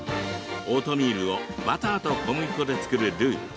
オートミールをバターと小麦粉で作るルー。